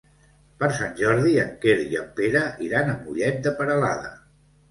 Per Sant Jordi en Quer i en Pere iran a Mollet de Peralada.